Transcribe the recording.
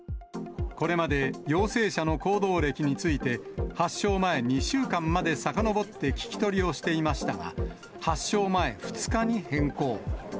これまで陽性者の行動歴について、発症前２週間までさかのぼって聞き取りをしていましたが、発症前２日に変更。